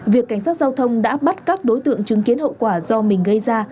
việc cảnh sát giao thông đã bắt các đối tượng chứng kiến hậu quả do mình gây ra